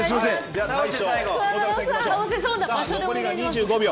残り２５秒。